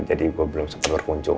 jadi gue belum sempurna kunjung